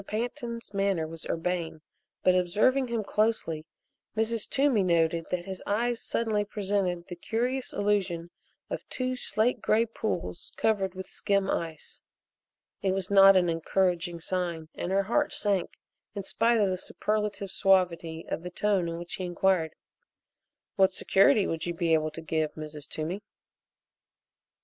Pantin's manner was urbane but, observing him closely, Mrs. Toomey noted that his eyes suddenly presented the curious illusion of two slate gray pools covered with skim ice. It was not an encouraging sign and her heart sank in spite of the superlative suavity of the tone in which he inquired: "What security would you be able to give, Mrs. Toomey?"